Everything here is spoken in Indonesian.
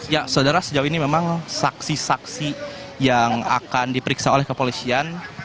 ya saudara sejauh ini memang saksi saksi yang akan diperiksa oleh kepolisian